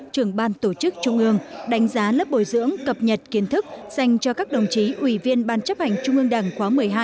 trưởng ban tổ chức trung ương đánh giá lớp bồi dưỡng cập nhật kiến thức dành cho các đồng chí ủy viên ban chấp hành trung ương đảng khóa một mươi hai